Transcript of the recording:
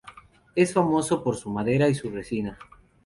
Es famoso por su madera y su resina.